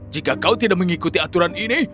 jika kau tidak mengikuti aturan ini